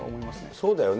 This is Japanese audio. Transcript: そうだよね。